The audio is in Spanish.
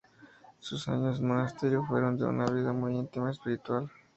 Sus años en el monasterio fueron de una vida muy íntima y espiritual.